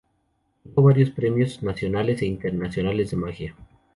Obtuvo varios premios nacionales e internacionales de magia.